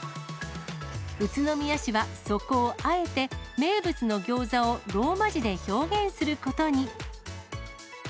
宇都宮市はそこをあえて、名物のギョーザをローマ字で表現することに。